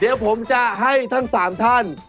เดี๋ยวผมจะให้ทั้ง๓ท่าน